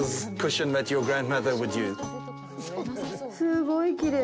すごいきれい。